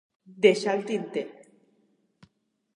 Deixar al tinter.